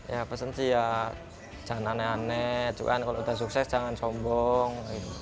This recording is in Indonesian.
ya pesen sih ya jangan aneh aneh cuman kalau udah sukses jangan sombong